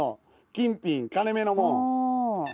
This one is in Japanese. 金品金目のもん。